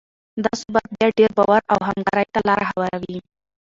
دا ثبات بیا ډیر باور او همکارۍ ته لاره هواروي.